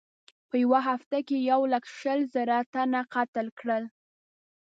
په یوه هفته کې یې یو لک شل زره تنه قتل کړل.